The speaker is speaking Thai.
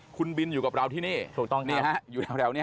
คุณบินอยู่กับเราที่นี่ถูกต้องนี่ฮะอยู่แถวนี้